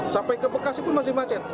sampai ke bekasi pun masih macet